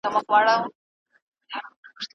تامین د امنیت او خوندیتوب راوستل دي.